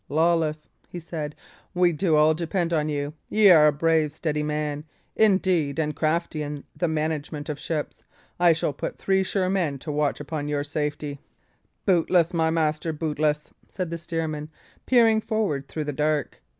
"Lawless," he said, "we do all depend on you; y' are a brave, steady man, indeed, and crafty in the management of ships; I shall put three sure men to watch upon your safety." "Bootless, my master, bootless," said the steersman, peering forward through the dark.